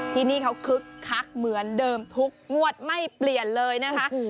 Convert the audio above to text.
ที่นี่เขาคึกคักเหมือนเดิมทุกงวดไม่เปลี่ยนเลยนะคะ